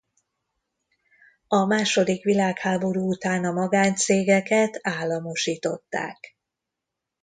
A második világháború után a magáncégeket államosították.